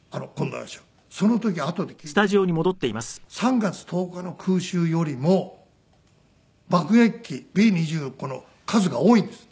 その時あとで聞いたら３月１０日の空襲よりも爆撃機Ｂ−２９の数が多いんです。